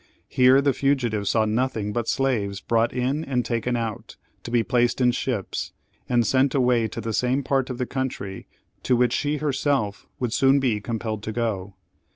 Here the fugitive saw nothing but slaves brought in and taken out, to be placed in ships and sent away to the same part of the country to which she herself would soon be compelled to go.